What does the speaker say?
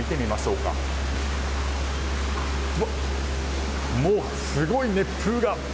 うわ、もうすごい熱風が。